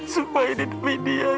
supaya di demi dia ya allah